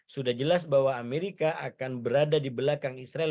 sudah jelas bahwa amerika akan berada di belakang israel